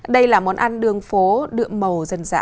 đây là món ăn đường phố đượm màu dân dã